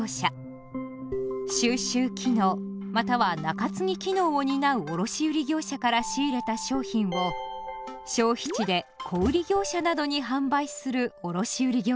収集機能または仲継機能を担う卸売業者から仕入れた商品を消費地で小売業者などに販売する卸売業者です。